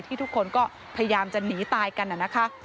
ทุกคนก็พยายามจะหนีตายกันนะคะ